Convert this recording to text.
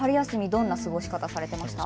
どんな過ごし方されましたか。